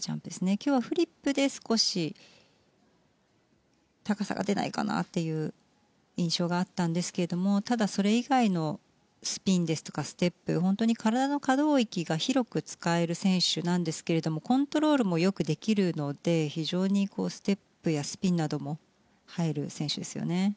今日はフリップで少し高さが出ないかなという印象があったんですけれどもただ、それ以外のスピンですとかステップ本当に体の可動域が広く使える選手なんですがコントロールもよくできるので非常にステップやスピンなども映える選手ですよね。